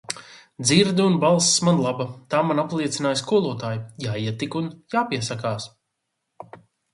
Dzirde un balss man laba, tā man apliecināja skolotāji, jāiet tik un jāpiesakās.